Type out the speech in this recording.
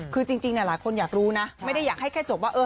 คือจริงหลายคนอยากรู้นะไม่ได้อยากให้แค่จบว่า